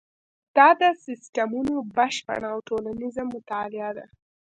دا د سیسټمونو بشپړه او ټولیزه مطالعه ده.